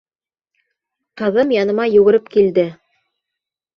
Ҡыҙым яныма югереп килде: